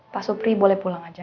pak supri boleh pulang aja